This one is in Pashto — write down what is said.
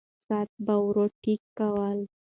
ساعت به ورو ټکا کوله.